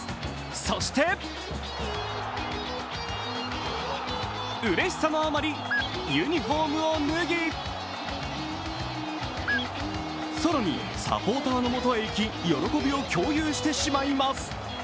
そして、うれしさのあまり、ユニフォームを脱ぎ、更にサポーターのもとへ行き喜びを共有してしまいます。